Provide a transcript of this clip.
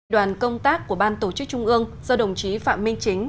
đoàn công tác của ban tổ chức trung ương do đồng chí phạm minh chính